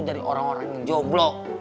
dari orang orang yang joblok